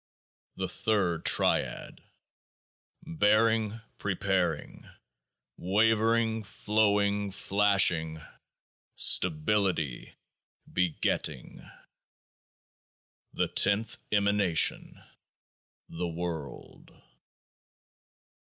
The Third Triad Bearing : preparing. Wavering : flowing : flashing. Stability : begetting. The Tenth Emanation The world.